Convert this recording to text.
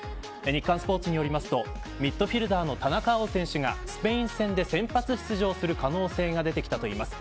日刊スポーツによりますとミッドフィルダーの田中碧選手がスペイン戦で先発出場する可能性が出てきたといいます。